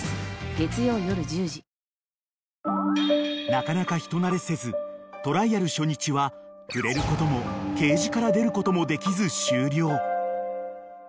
［なかなか人なれせずトライアル初日は触れることもケージから出ることもできず終了］